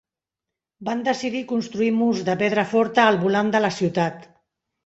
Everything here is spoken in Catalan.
Van decidir construir murs de pedra forta al volant de la ciutat.